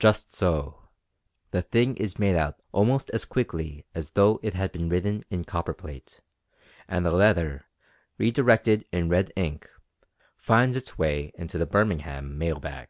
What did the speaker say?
Just so the thing is made out almost as quickly as though it had been written in copperplate, and the letter, redirected in red ink, finds its way into the Birmingham mail bag.